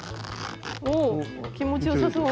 気持ちよさそう。